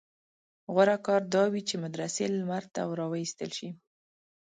غوره کار دا وي چې مدرسې لمر ته راوایستل شي.